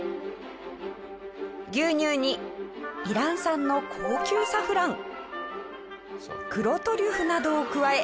牛乳にイラン産の高級サフラン黒トリュフなどを加え。